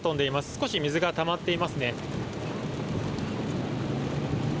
少し水がたまっていますね。